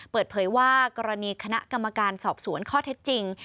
เปิดเผยว่ากรณีคณะกรรมการสอบสวนข้อเท็จจริง